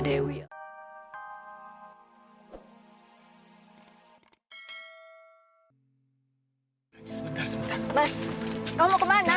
dewi baik pak